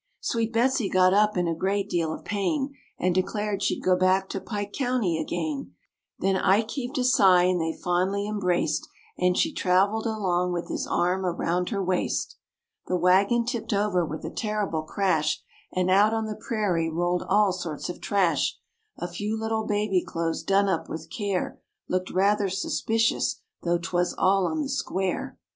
Sweet Betsy got up in a great deal of pain And declared she'd go back to Pike County again; Then Ike heaved a sigh and they fondly embraced, And she traveled along with his arm around her waist. The wagon tipped over with a terrible crash, And out on the prairie rolled all sorts of trash; A few little baby clothes done up with care Looked rather suspicious, though 'twas all on the square.